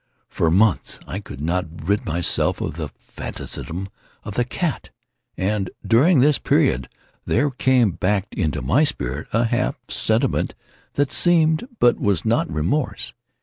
For months I could not rid myself of the phantasm of the cat; and, during this period, there came back into my spirit a half sentiment that seemed, but was not, remorse.